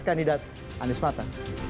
kandidat anies mata